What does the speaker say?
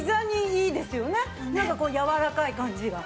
なんかこうやわらかい感じが。